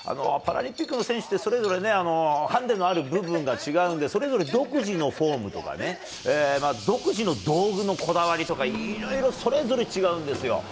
パラリンピックの選手はそれぞれハンディのある部分が違うのでそれぞれ独自のフォームとか独自の道具のこだわりとかいろいろそれぞれ違うんですよ。